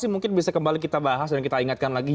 mungkin bisa kembali kita bahas dan kita ingatkan lagi